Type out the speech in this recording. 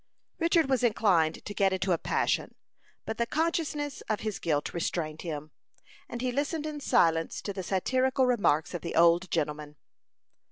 Richard was inclined to get into a passion, but the consciousness of his guilt restrained him, and he listened in silence to the satirical remarks of the old gentleman.